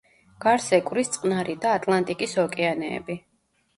გარს ეკვრის წყნარი და ატლანტიკის ოკეანეები.